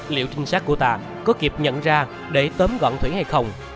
liệu trinh sát của ta có kịp nhận ra để sớm gọn thủy hay không